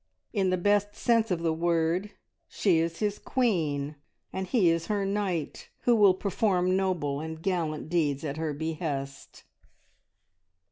In the best sense of the word she is his Queen and he is her knight, who will perform noble and gallant deeds at her behest.